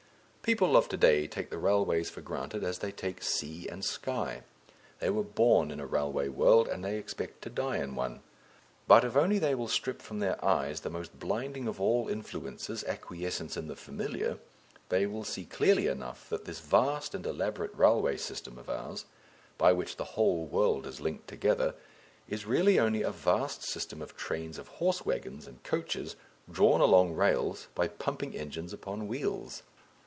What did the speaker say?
People of to day take the railways for granted as they take sea and sky; they were born in a railway world, and they expect to die in one. But if only they will strip from their eyes the most blinding of all influences, acquiescence in the familiar, they will see clearly enough that this vast and elaborate railway system of ours, by which the whole world is linked together, is really only a vast system of trains of horse waggons and coaches drawn along rails by pumping engines upon wheels.